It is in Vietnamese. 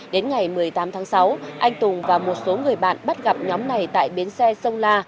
đến ngày một mươi tám tháng sáu anh tùng và một số người bạn bắt gặp nhóm này tại bến xe sông la